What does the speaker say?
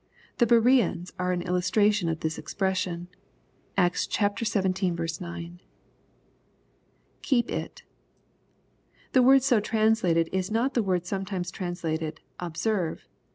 The Bereans are an illustration of this expression. Acts xviL 9. [Keep it.] The word so translated is not the word sonetimea translated " observe."